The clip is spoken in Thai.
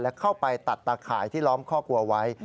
และเข้าไปตัดตาข่ายที่ล้อมคอกวัวไว้